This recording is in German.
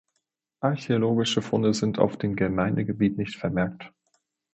Archäologische Funde sind auf dem Gemeindegebiet nicht vermerkt.